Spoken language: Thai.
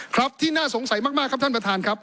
ครับที่น่าสงสัยมากครับท่านประธานครับ